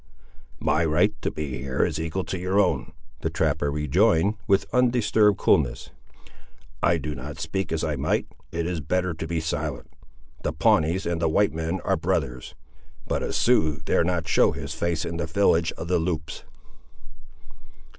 "My right to be here is equal to your own," the trapper rejoined, with undisturbed coolness; "I do not speak as I might—it is better to be silent. The Pawnees and the white men are brothers, but a Sioux dare not show his face in the village of the Loups."